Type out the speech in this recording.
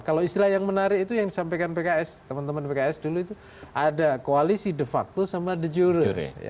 kalau istilah yang menarik itu yang disampaikan pks teman teman pks dulu itu ada koalisi de facto sama de jure